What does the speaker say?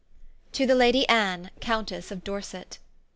To the Ladie A N N E, Coun tesse of Dorset.